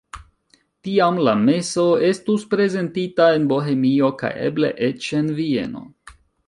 Tiam la meso estus prezentita en Bohemio kaj eble eĉ en Vieno.